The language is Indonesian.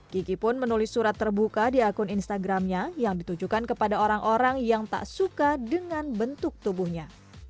kiki pun menulis surat terbuka di akun instagramnya yang ditujukan kepada orang orang yang tak suka dengan bentuk tubuhnya